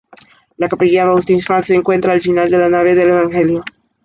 La capilla bautismal se encuentra al final de la nave del evangelio.